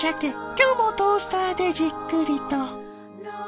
今日もトースターでじっくりと。